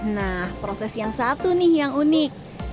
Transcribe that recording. nah proses yang satu nih yang unik